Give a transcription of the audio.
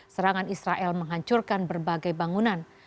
serangan israel menghancurkan berbagai bangunan